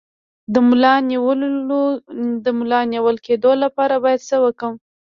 د ملا د نیول کیدو لپاره باید څه وکړم؟